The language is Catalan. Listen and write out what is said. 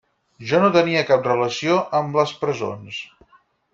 Jo no tenia cap relació amb les presons.